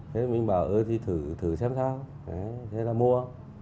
thế mình bảo thử xem sao thế là mua